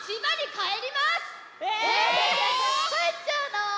⁉かえっちゃうの？